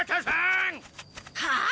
はあ！？